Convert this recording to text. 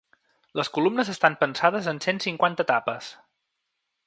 Les columnes estan pensades en cent cinquanta etapes.